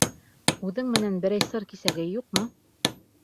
Үҙең менән берәй сыр киҫәге юҡмы?